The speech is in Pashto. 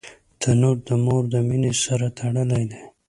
تنور د مور د مینې سره تړلی دی